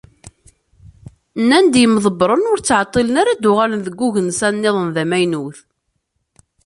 Nnan-d yimḍebbren ur ttɛeṭṭilen ara ad d-uɣalen deg ugensa-nniḍen d amaynut.